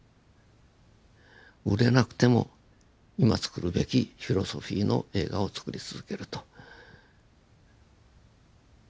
売れなくても今つくるべきフィロソフィーの映画をつくり続けると。